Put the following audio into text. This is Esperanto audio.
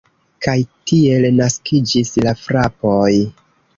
Kaj tiel naskiĝis la frapoj.